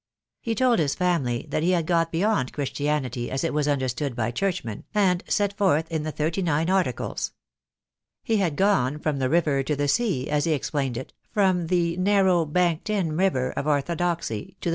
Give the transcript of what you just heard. He told his family that he had got beyond Christianity as it was understood by Churchmen, and set forth in the Thirty nine Articles. He had gone from the river to the sea, as he explained it, from the narrow banked in river of orthodoxy to the 2 10 THE DAY WILL COME.